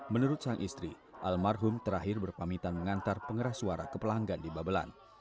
menurut sang istri almarhum terakhir berpamitan mengantar pengeras suara ke pelanggan di babelan